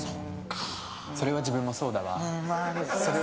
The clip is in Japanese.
それは自分もそうだわ。